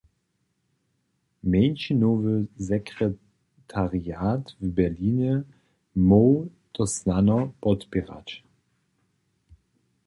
Mjeńšinowy sekretariat w Berlinje móhł to snano podpěrać.